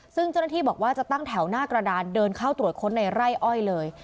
ซึ่งเจ้าหน้าที่บอกว่าจะตั้งแถวหน้ากระดานเดินเข้าตรวจค้นในไร่อ้อยเลย